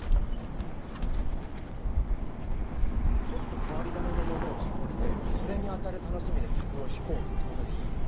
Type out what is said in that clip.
ちょっと変わり種のものを仕込んでそれに当たる楽しみで客を引こうってことでいい？